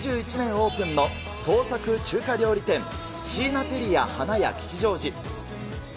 オープンの創作中華料理店、チーナテリアハナヤ吉祥寺。